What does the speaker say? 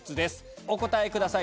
お答えください